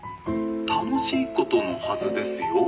「楽しいことのはずですよ」。